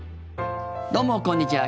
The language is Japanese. どうもこんにちは。